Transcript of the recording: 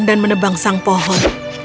dan menebang sang pohon